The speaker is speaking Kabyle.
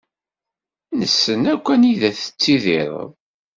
Nessen akk anida tettidireḍ.